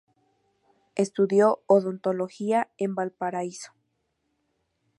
Estudió odontología en Valparaíso.